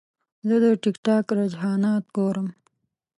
زه د ټک ټاک رجحانات ګورم.